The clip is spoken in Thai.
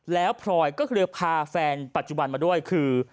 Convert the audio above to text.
แล้วพลอยก็คือพาแฟนปัจจุบันมาด้วยคือ